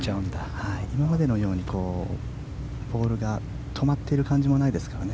今までのようにボールが止まっている感じもないですからね。